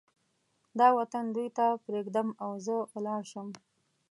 دا وطن دوی ته پرېږدم او زه ولاړ شم.